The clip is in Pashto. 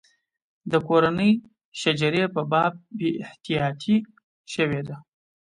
د کورنۍ شجرې په باب بې احتیاطي شوې ده.